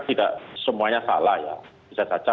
tidak semuanya salah ya bisa saja